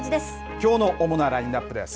きょうの主なラインナップです。